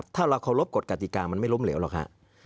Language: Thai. ถ้าเราเคารพกฎกติกามันไม่ล้มเหลวหรอกค่ะ